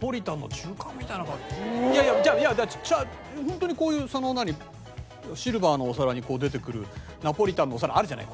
ホントにこういうその何シルバーのお皿にこう出てくるナポリタンのお皿あるじゃない？